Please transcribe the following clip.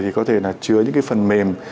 thì có thể là chứa những cái phần mềm